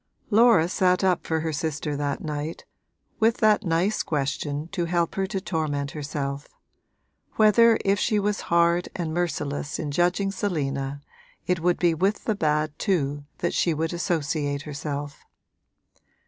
Laura sat up for her sister that night, with that nice question to help her to torment herself whether if she was hard and merciless in judging Selina it would be with the bad too that she would associate herself.